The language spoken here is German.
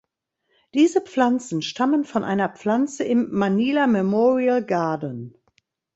Diese Pflanzen stammen von einer Pflanze im Manila Memorial Garden.